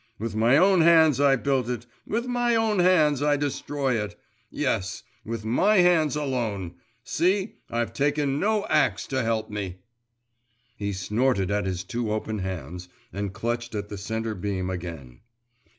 With my own hands I built it, with my own hands I destroy it, yes, with my hands alone! See, I've taken no axe to help me!' He snorted at his two open hands, and clutched at the centre beam again.